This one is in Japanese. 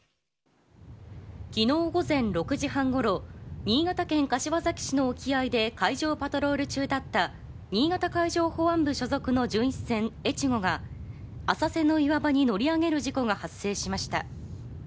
昨日午前６時半ごろ新潟県柏崎市の沖合で海上パトロール中だった新潟海上保安部所属の巡視船「えちご」が浅瀬の岩場に乗り上げる事故が発生しました。